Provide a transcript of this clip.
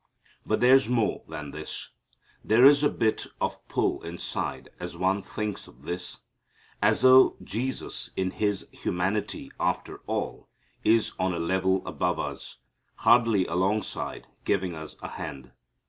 But there's more than this. There's a bit of a pull inside as one thinks of this, as though Jesus in His humanity after all is on a level above us, hardly alongside giving us a hand.